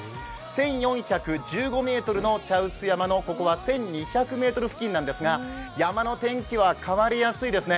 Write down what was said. １４１５ｍの茶臼山のここは１２００ｍ付近なんですが、山の天気は変わりやすいですね。